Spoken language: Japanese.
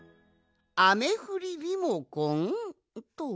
あめふりリモコンとは？